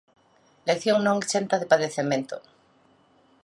Lección non exenta de padecemento.